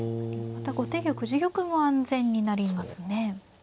また後手玉自玉も安全になりますね。